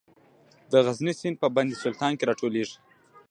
د غزني سیند په بند سلطان کې راټولیږي